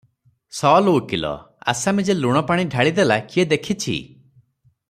ସୱାଲ ଉକୀଲ - ଆସାମୀ ଯେ ଲୁଣ ପାଣି ଢାଳି ଦେଲା, କିଏ ଦେଖିଛି?